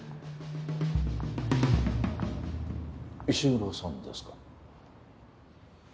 石黒さんですか。